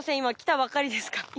今来たばっかりですか。